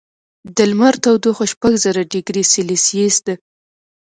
د لمر تودوخه شپږ زره ډګري سیلسیس ده.